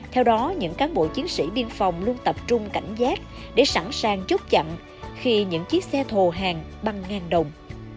theo đó những cán bộ chiến sĩ biên phòng luôn tập trung cảnh giác để sẵn sàng chốt chặn khi những chiếc xe thồ hàng băng ngang đồng